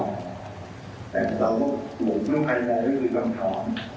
แต่เราก็โดนภายในเลยคือการถาม